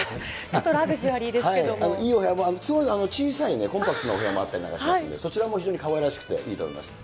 ちょっとラグジュアリーですいいお部屋も、すごい小さいコンパクトなお部屋もあったりなんかしますので、そちらも非常にかわいらしくていいと思います。